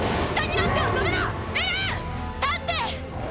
立って！！